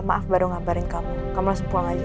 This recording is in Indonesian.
maaf baru ngabarin kamu kamu langsung pulang aja